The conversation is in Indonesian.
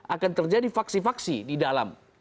akan terjadi faksi faksi di dalam